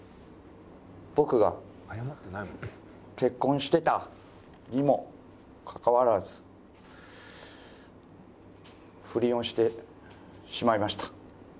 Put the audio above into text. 僕が結婚してたにもかかわらず不倫をしてしまいました。